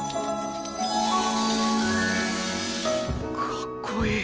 かっこいい。